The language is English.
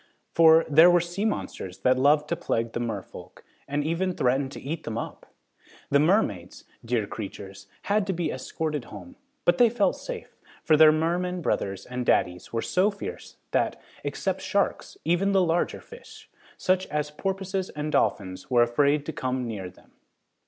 For, there were sea monsters that loved to plague the merefolk, and even threatened to eat them up! The mermaids, dear creatures, had to be escorted home, but they felt safe, for their mermen brothers and daddies were so fierce that, except sharks, even the larger fish, such as porpoises and dolphins were afraid to come near them.